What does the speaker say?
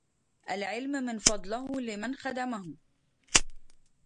العلم من فضله لمن خدمه